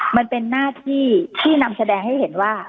มันเป็นหน้าที่ที่นำแสดงให้เห็นว่า